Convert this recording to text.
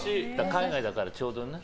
海外だから、ちょうどね。